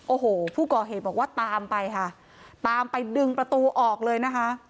โอ้โหผู้ก่อเหตุบอกว่าตามไปค่ะตามไปดึงประตูออกเลยนะคะ